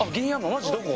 マジどこ？